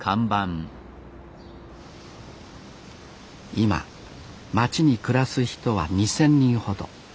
今町に暮らす人は２，０００人ほど。